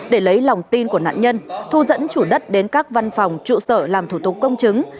để lấy lòng tin của nạn nhân thu dẫn chủ đất đến các văn phòng trụ sở làm thủ tục công chứng